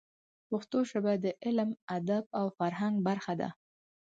پښتو ژبه د علم، ادب او فرهنګ برخه ده.